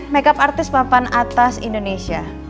make up artis papan atas indonesia